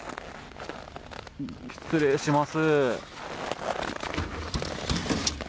失礼します。